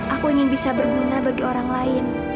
aku ingin bisa berguna bagi orang lain